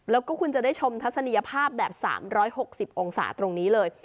แล้วก็คุณจะได้ชมทัศนียภาพแบบ๓๖๐องศาตรงนี้เลย